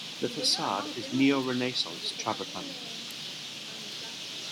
The facade is neo-Renaissance travertine.